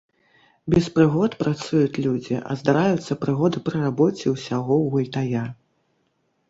Без прыгод працуюць людзі, а здараюцца прыгоды пры рабоце ўсяго ў гультая.